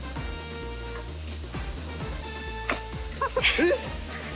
えっ！？